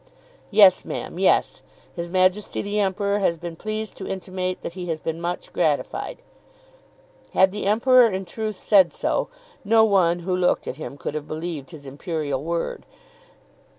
"Yes, ma'am, yes. His Majesty the Emperor has been pleased to intimate that he has been much gratified." Had the Emperor in truth said so, no one who looked at him could have believed his imperial word.